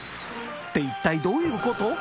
って一体どういうこと？